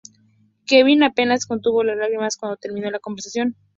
Kevin apenas contuvo las lágrimas cuando terminó la conversación.